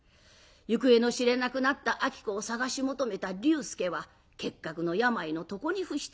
行方の知れなくなった子を捜し求めた龍介は結核の病の床に伏してしまいます。